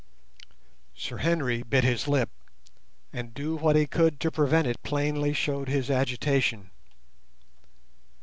Sir Henry bit his lip, and do what he could to prevent it plainly showed his agitation.